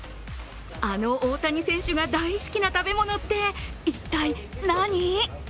あの大谷選手が大好きな食べ物って一体何？